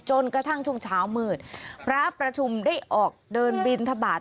จนกระทั่งช่วงเช้ามืดพระประชุมได้ออกเดินบินทบาท